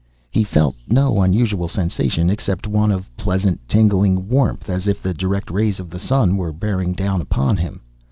He felt no unusual sensation, except one of pleasant, tingling warmth, as if the direct rays of the sun were bearing down upon him.